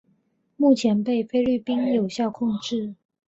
目前被菲律宾有效控制。